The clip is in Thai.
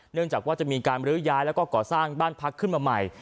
เนื่องจากว่าจะมีการบรื้อย้ายแล้วก็ก่อสร้างบ้านพักขึ้นมาใหม่